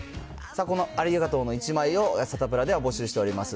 さあでは、このありがとうの１枚を、サタプラでは募集しております。